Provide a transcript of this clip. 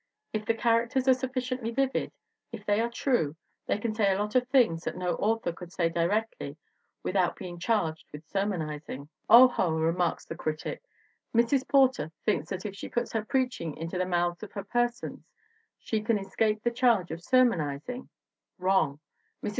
If the characters are sufficiently vivid, if they are true, they can say a lot of things that no author could say directly without being charged with sermonizing." Oho! remarks the critic, Mrs. Porter thinks that if she puts her preaching into the mouths of her persons she can escape the charge of sermonizing. Wrong. Mrs.